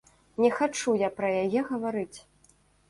Не хачу я пра яе гаварыць.